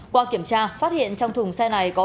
qua kiểm tra phát hiện trong thùng xe này có ba bốn trăm linh